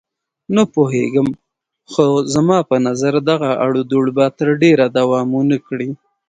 نه پوهېږم، خو زما په نظر دغه اړودوړ به تر ډېره دوام ونه کړي.